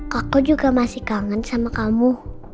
kakek juga masih kangen sama kamu